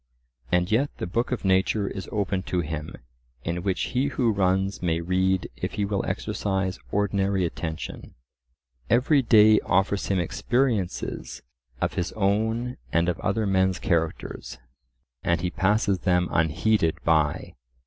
And yet the book of nature is open to him, in which he who runs may read if he will exercise ordinary attention; every day offers him experiences of his own and of other men's characters, and he passes them unheeded by.